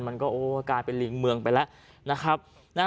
มันก็โอ้กลายเป็นลิงเมืองไปแล้วนะครับ